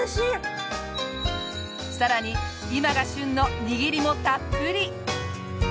さらに今が旬の握りもたっぷり！